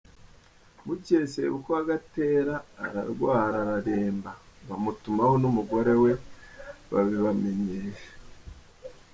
Bukeye sebukwe wa Gatera ararwara araremba, bamutumaho n’umugore we babibamenyesha.